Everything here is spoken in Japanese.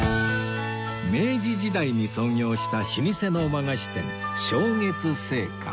明治時代に創業した老舗の和菓子店松月製菓